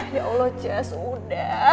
ya allah jas udah